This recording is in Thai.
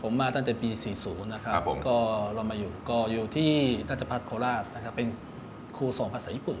ผมมาตั้งแต่ปี๔๐นะครับก็อยู่ที่นักจับพัฒน์โคราชเป็นครูส่องภาษาญี่ปุ่น